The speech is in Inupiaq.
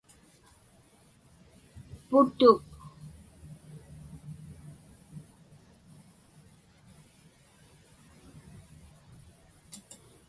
putuk